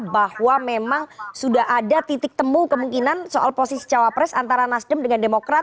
bahwa memang sudah ada titik temu kemungkinan soal posisi cawapres antara nasdem dengan demokrat